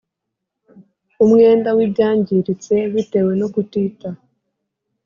Umwenda w ibyangiritse bitewe no kutita